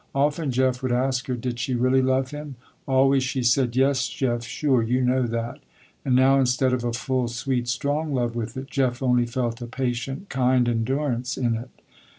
Often Jeff would ask her, did she really love him. Always she said, "Yes Jeff, sure, you know that," and now instead of a full sweet strong love with it, Jeff only felt a patient, kind endurance in it.